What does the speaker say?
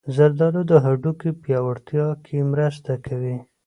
زردالو د هډوکو پیاوړتیا کې مرسته کوي.